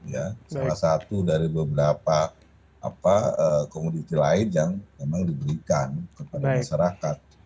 ya salah satu dari beberapa komoditi lain yang memang diberikan kepada masyarakat